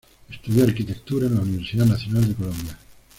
Estudio arquitectura en la Universidad Nacional de Colombia.